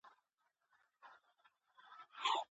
څنګه افغان صادروونکي افغاني غالۍ هند ته لیږدوي؟